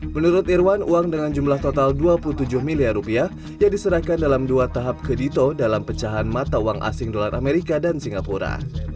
menurut irwan uang dengan jumlah total dua puluh tujuh miliar rupiah yang diserahkan dalam dua tahap ke dito dalam pecahan mata uang asing dolar amerika dan singapura